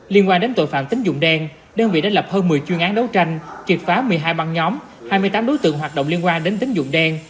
liên quan đến tội phạm tính dụng đen đơn vị đã lập hơn một mươi chuyên án đấu tranh kiệt phá một mươi hai băng nhóm hai mươi tám đối tượng hoạt động liên quan đến tính dụng đen